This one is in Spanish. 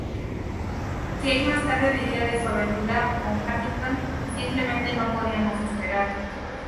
Kaye más tarde diría de su aventura on Hamilton: "Simplemente no podíamos esperar.